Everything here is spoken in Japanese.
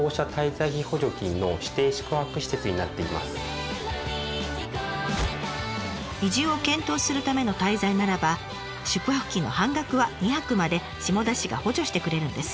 この民宿は移住を検討するための滞在ならば宿泊費の半額は２泊まで下田市が補助してくれるんです。